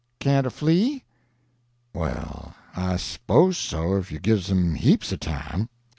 "Can't a flea?" "Well—I s'pose so—ef you gives him heaps of time."